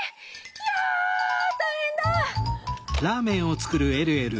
ひゃたいへんだ！